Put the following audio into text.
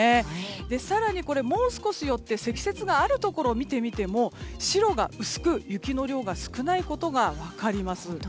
更にもう少し寄って積雪があるところを見てみても白が薄く、雪の量が少ないことが分かります。